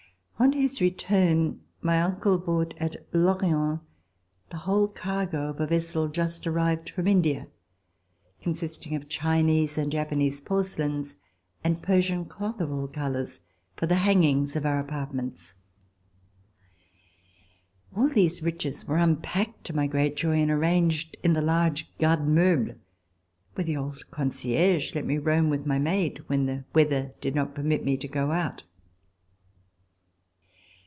On his return my uncle bought at Lorient the whole cargo of a vessel just arrived from India, consisting of Chinese and Japanese porcelains, and Persian cloth of all colors for the hangings of our apartments. All these riches were unpacked, to my great joy, and arranged in the large garde meubles^ where the old concierge let me roam with my maid when the weather did not permit me to go out.